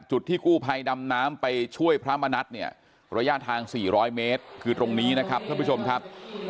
จุดที่กู้ภัยดำน้ำไปช่วยพระมณัฐเนี่ยระยะทาง๔๐๐เมตรคือตรงนี้นะครับท่านผู้ชมครับ